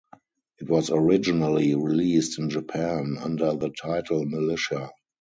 It was originally released in Japan under the title Militia.